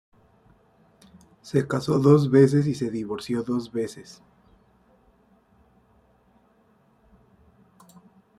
Se casó dos veces y se divorció las dos veces.